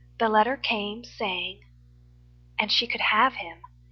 The letter came Saying... And she could have him.